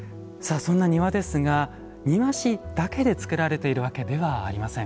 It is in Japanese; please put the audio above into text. そんな庭ですが、庭師だけでつくられているわけではありません。